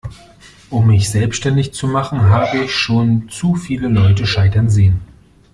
Um mich selbstständig zu machen, habe ich schon zu viele Leute scheitern sehen.